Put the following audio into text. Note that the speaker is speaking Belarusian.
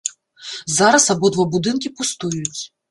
Зараз абодва будынкі пустуюць.